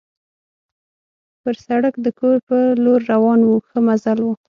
پر سړک د کور په لور روان وو، ښه مزل وو.